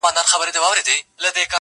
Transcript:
په امان له هر مرضه په تن جوړ ؤ-